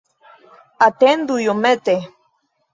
Atendu iomete!